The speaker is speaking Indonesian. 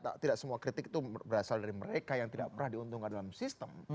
tidak semua kritik itu berasal dari mereka yang tidak pernah diuntungkan dalam sistem